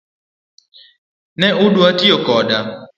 Ne udwa tiyo koda.